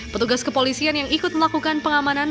petugas kepolisian yang ikut melakukan pengamanan